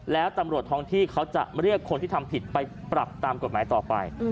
แล้วตำรวจท้องที่เขาจะเรียกคนที่ทำผิดไปปรับตามกฎหมายต่อไป